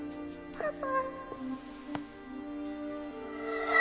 パパ！